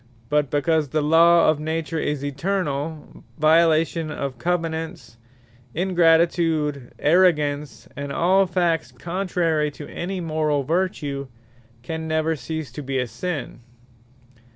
But because the Law of Nature is eternall, Violation of Covenants, Ingratitude, Arrogance, and all Facts contrary to any Morall vertue, can never cease to be Sinne.